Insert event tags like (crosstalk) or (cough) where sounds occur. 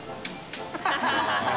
ハハハ (laughs)